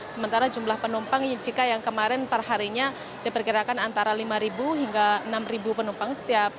sementara jumlah penumpang yang kemarin perharinya diperkirakan antara lima hingga enam penumpang